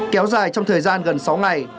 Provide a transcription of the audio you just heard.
kéo dài trong thời gian gần sáu ngày